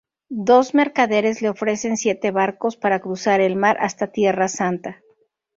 Dos mercaderes les ofrecen siete barcos para cruzar el mar hasta Tierra Santa.